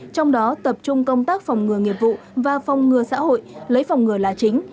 trong đó tập trung công tác phòng ngừa nghiệp vụ và phòng ngừa xã hội lấy phòng ngừa là chính